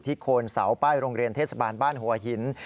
โคนเสาป้ายโรงเรียนเทศบาลบ้านหัวหิน